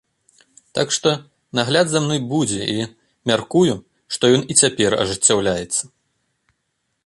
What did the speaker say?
Так што, нагляд за мной будзе і, мяркую, што ён і цяпер ажыццяўляецца.